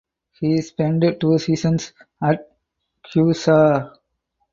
He spent two seasons at Huesca.